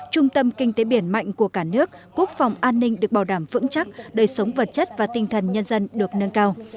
trung tâm kinh tế biển mạnh của cả nước quốc phòng an ninh được bảo đảm vững chắc đời sống vật chất và tinh thần nhân dân được nâng cao